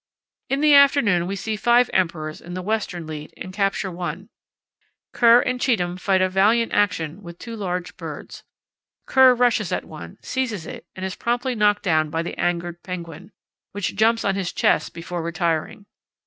In the afternoon we see five emperors in the western lead and capture one. Kerr and Cheetham fight a valiant action with two large birds. Kerr rushes at one, seizes it, and is promptly knocked down by the angered penguin, which jumps on his chest before retiring.